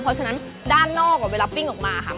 เพราะฉะนั้นด้านนอกเวลาปิ้งออกมาค่ะ